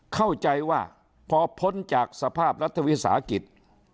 เข้าใจว่าพอพ้นจากสภาพรัฐวิสาหกิจ